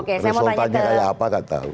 resultanya kayak apa gak tahu